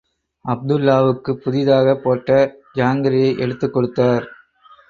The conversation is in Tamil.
அப்துல்லாவுக்குப் புதிதாகப் போட்ட ஜாங்கிரியை எடுத்துக் கொடுத்தார்.